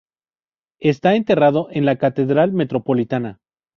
Está enterrado en la Catedral Metropolitana.